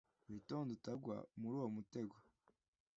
Witonde utagwa muruwo mutego